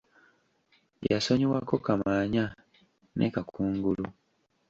Yasonyiwako Kamaanya ne Kakungulu.